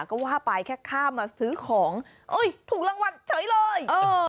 ก็ว่าไปแค่ข้ามมาซื้อของถูกรางวัลเฉยเลย